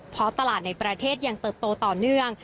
เพราะตลาดในประเทศยังเติบโตต่อเนื่อง